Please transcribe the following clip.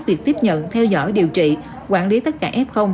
việc tiếp nhận theo dõi điều trị quản lý tất cả f